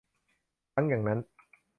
ทั้งอย่างนั้น